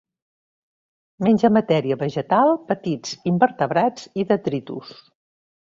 Menja matèria vegetal, petits invertebrats i detritus.